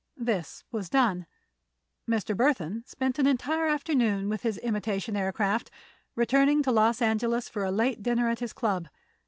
This was done. Mr. Burthon spent the entire afternoon with his imitation aircraft, returning to Los Angeles for a late dinner at his club.